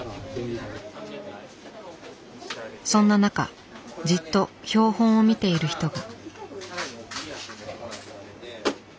そんな中じっと標本を見ている人が。